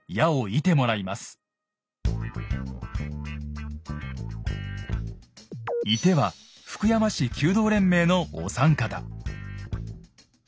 射手は福山市弓道連盟のお三方。